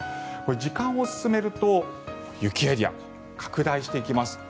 時間を進めると雪エリア、拡大していきます。